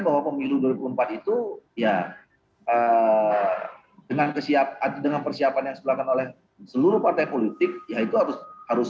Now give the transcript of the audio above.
bahwa pemilu dua ribu empat itu ya dengan persiapan yang sebelahkan oleh seluruh partai politik ya itu harus